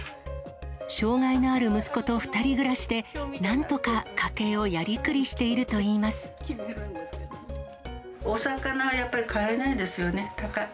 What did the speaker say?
障がいのある息子と２人暮らしで、なんとか家計をやりくりしているお魚はやっぱり買えないですよね、高い。